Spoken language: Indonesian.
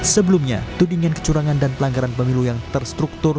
sebelumnya tudingan kecurangan dan pelanggaran pemilu yang terstruktur